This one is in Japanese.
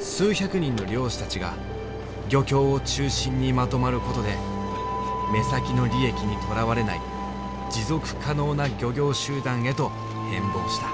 数百人の漁師たちが漁協を中心にまとまることで目先の利益にとらわれない持続可能な漁業集団へと変ぼうした。